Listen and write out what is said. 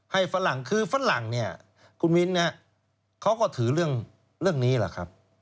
ฝรั่งคือฝรั่งเนี่ยคุณมิ้นเขาก็ถือเรื่องนี้แหละครับ